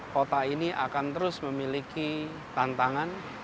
kota ini akan terus memiliki tantangan